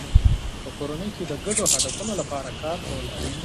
په کورنۍ کې د ګډو هدفونو لپاره کار کول اړین دی.